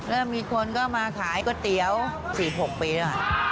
เริ่มมีคนก็มาขายก๋วยเตี๋ยว๔๖ปีแล้วค่ะ